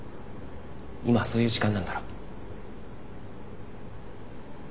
今はそういう時間なんだろ。